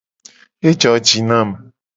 Ejo ji nam.